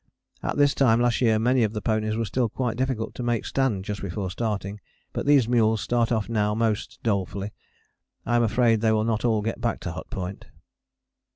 At this time last year many of the ponies were still quite difficult to make stand just before starting. But these mules start off now most dolefully. I am afraid they will not all get back to Hut Point.